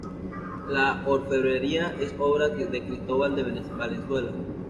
La orfebrería es obra de Cristóbal de Valenzuela.